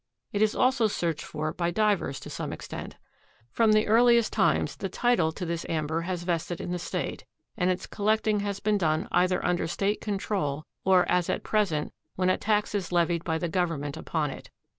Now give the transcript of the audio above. It is also searched for by divers to some extent. From the earliest times the title to this amber has vested in the State and its collecting has been done either under State control or as at present when a tax is levied by the government upon it.